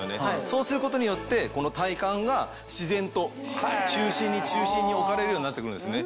そうすることによって体幹が自然と中心に中心に置かれるようになって来るんですね。